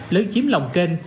lớn chiếm lòng kênh